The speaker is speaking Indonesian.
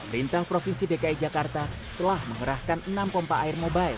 perintah provinsi dki jakarta telah mengerahkan enam pompa air mobile